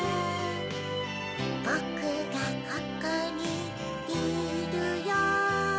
ぼくがここにいるよ